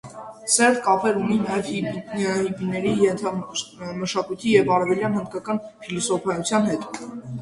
Սերտ կապեր ունի նաև հիպպիների ենթամշակույթի և արևելյան (հնդկական) փիլիսոփայության հետ։